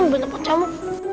ber grapati banda